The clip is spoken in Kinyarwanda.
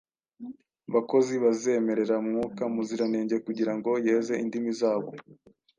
bakozi bazemerera Mwuka Muziranenge kugira ngo yeze indimi zabo